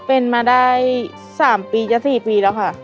เป็นมาได้๓ปีจะ๔ปีแล้วค่ะ